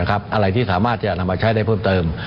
อะไรสามารถใช้ได้เพิ่มเติม